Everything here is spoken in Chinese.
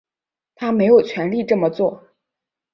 他没有权力这么做